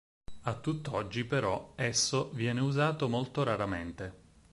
A tutt'oggi, però, esso viene usato molto raramente.